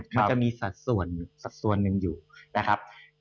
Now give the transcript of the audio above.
มันจะมีสัดส่วนนึงอยู่นะครับ